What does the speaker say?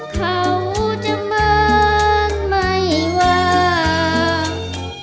เขาจะเหมือนไม่วาง